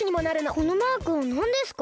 このマークはなんですか？